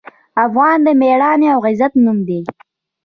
افغان د میړانې او غیرت نوم دی.